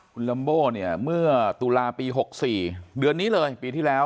คุณลัมโบ้เนี่ยเมื่อตุลาปี๖๔เดือนนี้เลยปีที่แล้ว